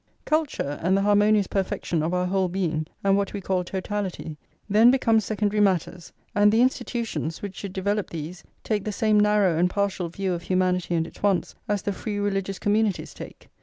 Culture, and the harmonious perfection of our whole being, and what we call totality, then become secondary matters; and the institutions, which should develope these, take the same narrow and partial view of humanity and its wants as the free religious communities take.